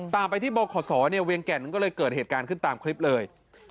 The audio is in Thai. ตามไปที่บขศเวียงแก่นมันก็เลยเกิดเหตุการณ์ขึ้นตามคลิปเลย